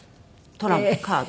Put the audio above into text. トランプカード。